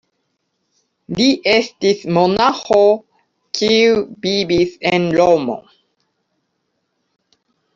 Li estis monaĥo kiu vivis en Romo.